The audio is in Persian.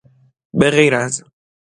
بغیر از